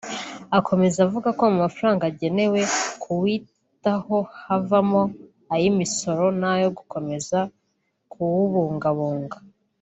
Akomeza avuga ko mu mafaranga agenewe kuwitaho havamo ay’imisoro n’ayo gukomeza kuwubungabunga